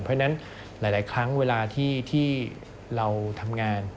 เพราะฉะนั้นหลายครั้งเวลาที่เราทำงาน